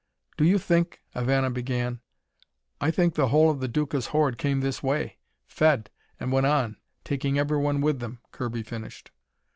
"Do you think " Ivana began. "I think the whole of the Duca's horde came this way, fed, and went on, taking everyone with them," Kirby finished.